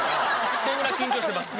そのぐらい緊張してます。